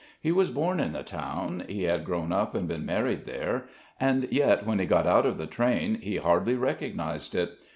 He was born in the town, he had grown up and been married there, and yet when he got out of the train he hardly recognised it.